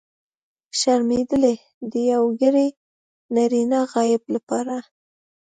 شرمېدلی! د یوګړي نرينه غایب لپاره.